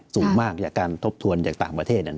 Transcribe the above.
สูงมากจากการทบทวนจากต่างประเทศ